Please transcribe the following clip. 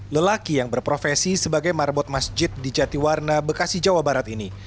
lelaki yang berprofesi sebagai marbot masjid di jatiwarna bekasi jawa barat ini